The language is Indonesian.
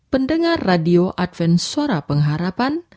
pendengar radio advents suara pengharapan